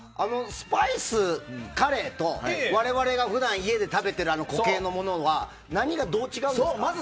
スパイスカレーと我々が普段、家で食べている固形のものは何がどう違うんですか？